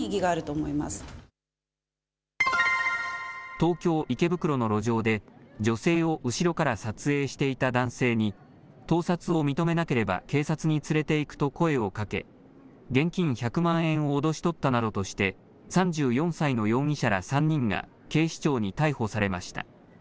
東京池袋の路上で女性を後ろから撮影していた男性に盗撮を認めなければ警察に連れて行くと声をかけ現金１００万円を脅し取ったなどとして３４歳の容疑者ら３人が警視庁に逮捕されました。